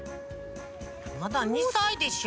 まだ２さいでしょ？